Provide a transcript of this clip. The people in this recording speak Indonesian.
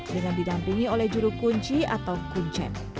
dengan didampingi oleh juru kunci atau kuncen